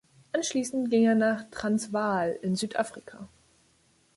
Anschließend ging er nach Transvaal in Südafrika.